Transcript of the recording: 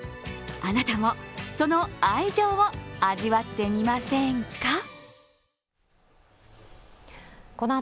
あなたもその愛情を味わってみませんか。